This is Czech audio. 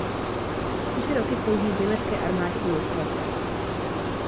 Čtyři roky sloužil v německé armádě u Luftwaffe.